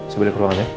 sebelah ke ruangannya